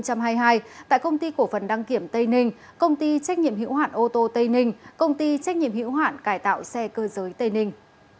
công ty trách nhiệm hữu hạn ô tô tây ninh công ty trách nhiệm hữu hạn cải tạo xe cơ giới tây ninh